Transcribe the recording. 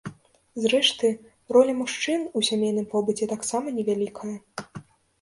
Зрэшты, роля мужчын у сямейным побыце таксама невялікая.